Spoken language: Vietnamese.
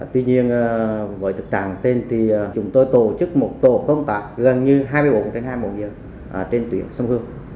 tuy nhiên với thực trạng tên thì chúng tôi tổ chức một tổ công tác gần như hai mươi bốn trên hai mẫu nhiệt trên tuyển sông hương